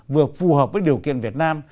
vừa phù hợp với điều kiện việt nam